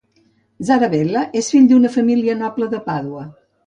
Zabarella és fill d'una família noble de Pàdua.